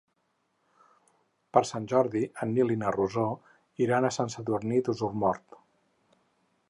Per Sant Jordi en Nil i na Rosó iran a Sant Sadurní d'Osormort.